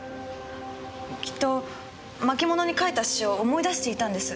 きっと巻物に書いた詩を思い出していたんです。